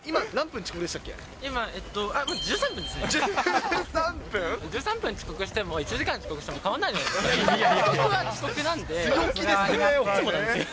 １３分遅刻しても、１時間遅刻しても変わんないじゃないですか。